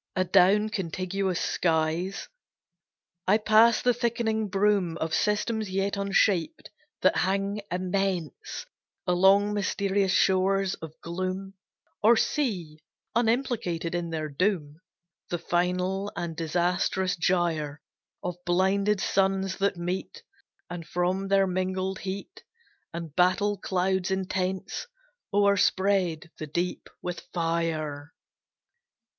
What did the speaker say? Adown contiguous skies I pass the thickening brume Of systems yet unshaped, that hang immense Along mysterious shores of gloom; Or see unimplicated in their doom The final and disastrous gyre Of blinded suns that meet, And from their mingled heat, And battle clouds intense, O'erspread the deep with fire.